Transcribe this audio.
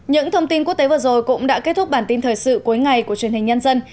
những thông tin quốc tế vừa rồi cũng đã kết thúc bản tin thời sự cuối ngày của truyền hình nhân dân